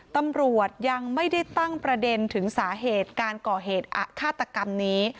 ตำรวจยังไม่ได้ตั้งประเด็นถึงสาเหตุการก่อเหตุอัตกรรมนี้